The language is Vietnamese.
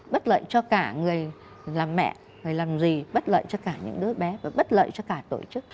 bất lợi cho cả người làm mẹ người làm gì bất lợi cho cả những đứa bé và bất lợi cho cả tổ chức